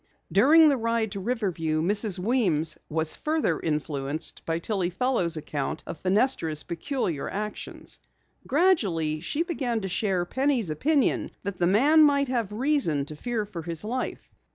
During the ride to Riverview Mrs. Weems was further influenced by Tillie Fellows' account of Fenestra's peculiar actions. Gradually she began to share Penny's opinion that the man might have reason to fear for his life.